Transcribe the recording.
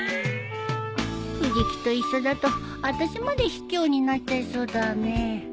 藤木と一緒だとあたしまでひきょうになっちゃいそうだね